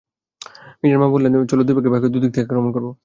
মিজান মামা বললেন, চলো, দুই ভাগে ভাগ হয়ে দুদিক থেকে আক্রমণ করব।